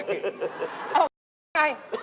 เอาเงียบให้